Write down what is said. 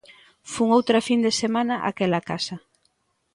Fun outra fin de semana a aquela casa.